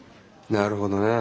なるほどね。